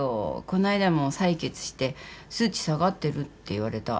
この間も採血して数値下がってるって言われた。